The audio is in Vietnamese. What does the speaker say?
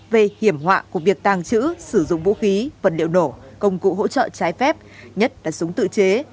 về hiểm họa của việc tàng trữ sử dụng vũ khí vật liệu nổ công cụ hỗ trợ trái phép nhất là súng tự chế